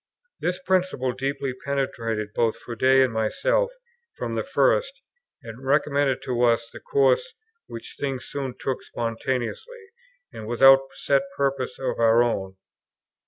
This principle deeply penetrated both Froude and myself from the first, and recommended to us the course which things soon took spontaneously, and without set purpose of our own.